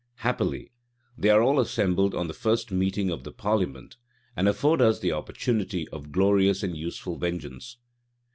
Happily, they are all assembled on the first meeting of the parliament, and afford us the opportunity of glorious and useful vengeance.